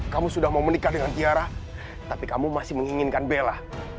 kamu sudah mau menikah dengan kiara tapi kamu masih menginginkan bella